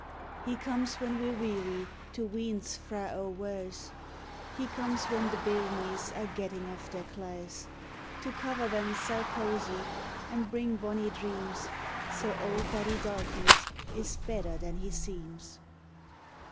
He comes when we're weary to wean's frae oor waes, He comes when the bairnies are getting aff their claes; To cover them sae cosy, an' bring bonnie dreams, So Auld Daddy Darkness is better than he seems.